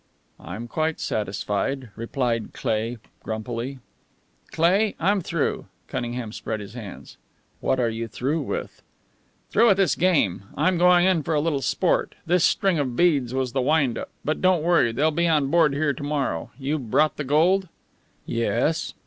"I'm quite satisfied," replied Cleigh, grumpily. "Cleigh, I'm through." Cunningham spread his hands. "What are you through with?" "Through with this game. I'm going in for a little sport. This string of beads was the wind up. But don't worry. They'll be on board here to morrow. You brought the gold?" "Yes."